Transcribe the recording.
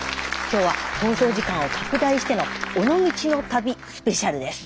今日は放送時間を拡大しての「尾道の旅スペシャル」です。